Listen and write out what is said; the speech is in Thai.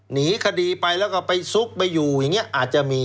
หนีคดีไปแล้วก็ไปซุกไปอยู่อย่างนี้อาจจะมี